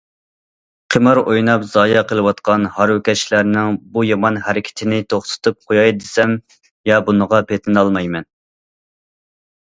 قىمار ئويناپ زايە قىلىۋاتقان ھارۋىكەشلەرنىڭ بۇ يامان ھەرىكىتىنى توختىتىپ قوياي دېسەم، يا بۇنىڭغا پېتىنالمايمەن.